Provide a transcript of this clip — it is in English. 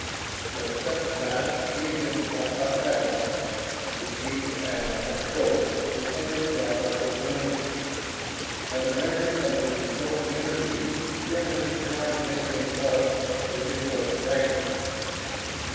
But the second time he had been caught by Fadakar, the chief of animal control, before he could lock up the delinquents. And the memory of the resulting interview still had the power to make him flush with impotent anger.